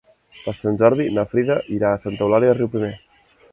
Per Sant Jordi na Frida irà a Santa Eulàlia de Riuprimer.